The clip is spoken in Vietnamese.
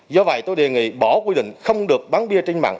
do vậy tôi đề nghị bỏ quy định không được bán bia trên mạng